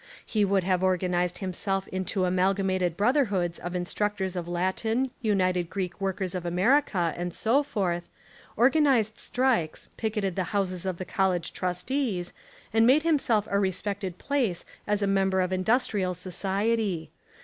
He would have organised himself into amalgamated Brotherhoods of Instructors of Latin, United Greek Workers of America, and so forth, organised strikes, picketed the houses of the college trustees, and made him self a respected place as a member of indus trial society.